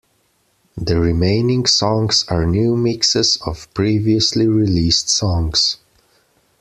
The remaining songs are new mixes of previously released songs.